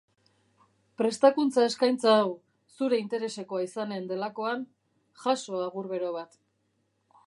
Prestakuntza eskaintza hau zure interesekoa izanen delakoan, jaso agur bero bat.